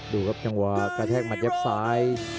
ดูครับจังหวะกระแทกหมัดยับซ้าย